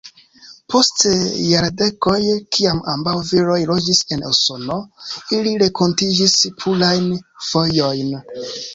Post jardekoj kiam ambaŭ viroj loĝis en Usono, ili renkontiĝis plurajn fojojn.